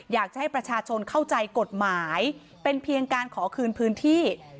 อยากจะให้ประชาชนเข้าใจกฎหมายเป็นเพียงการขอคืนพื้นที่